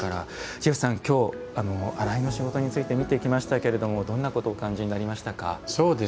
ジェフさん、今日「洗いの仕事」について見ていきましたけれどもどんなことをお感じになりましたか。